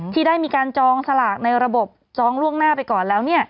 ที่ได้มีการจองสลากในระบบจองล่วงหน้าไปก่อนแล้ว